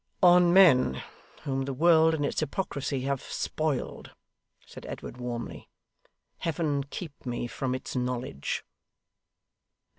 'On men whom the world and its hypocrisy have spoiled,' said Edward warmly, 'Heaven keep me from its knowledge.